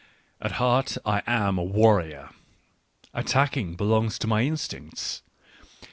At heart I am a warrior. Attacking belongs to my instincts.